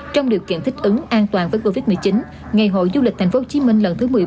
trong điều kiện thích ứng an toàn với covid một mươi chín ngày hội du lịch thành phố hồ chí minh lần thứ một mươi bảy